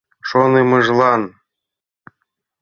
Шонымыжлан?